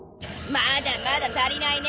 まだまだ足りないね。